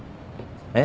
えっ？